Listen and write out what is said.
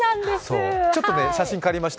ちょっと写真を借りました、